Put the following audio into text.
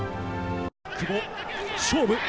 久保、勝負。